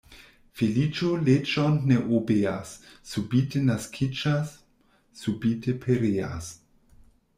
Feliĉo leĝon ne obeas, subite naskiĝas, subite pereas.